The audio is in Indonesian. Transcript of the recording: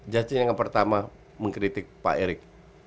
jasin yang pertama mengkritik pak erik